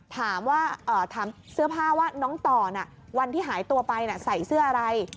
ถามเสื้อผ้าว่าน้องต่อวันที่หายตัวไปใส่เสื้ออะไร